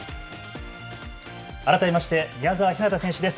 改めまして宮澤ひなた選手です。